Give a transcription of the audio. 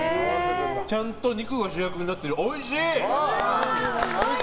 ちゃんと肉が主役になっていておいしい！